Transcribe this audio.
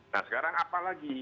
nah sekarang apalagi